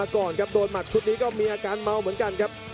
โปรดติดตามต่อไป